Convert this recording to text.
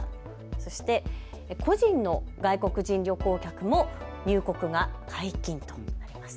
そして、個人の外国人旅行客も入国が解禁となります。